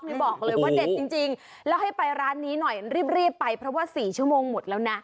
นี่บอกเลยว่าเด็ดจริงแล้วให้ไปร้านนี้หน่อยรีบไปเพราะว่า๔ชั่วโมงหมดแล้วนะ